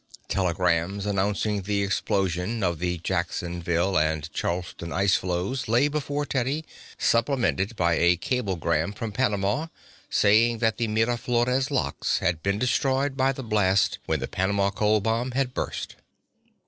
Telegrams announcing the explosion of the Jacksonville and Charleston ice floes lay before Teddy, supplemented by a cablegram from Panama saying that the Miraflores Locks had been destroyed by the blast when the Panama cold bomb had burst.